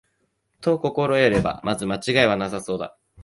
と心得れば、まず間違いはなさそうだ